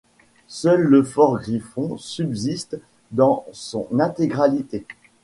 Seul le fort Griffon subsiste dans son intégralité.